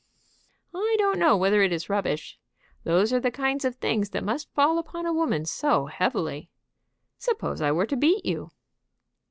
"I don't know whether it is rubbish. Those are the kind of things that must fall upon a woman so heavily. Suppose I were to beat you?"